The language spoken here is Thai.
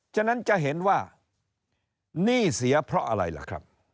ฉะนั้นจะเห็นว่าหนี้เสียเพราะอะไรล่ะครับ